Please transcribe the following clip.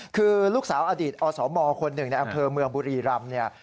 คือลูกสาวอดีตอสมคนหนึ่งในอันเพิร์มเมืองบุรีรำ